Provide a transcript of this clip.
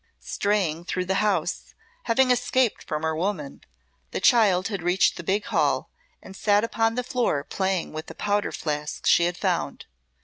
Straying through the house, having escaped from her woman, the child had reached the big hall, and sate upon the floor playing with a powder flask she had found.